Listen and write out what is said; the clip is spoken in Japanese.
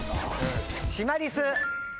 シマリス。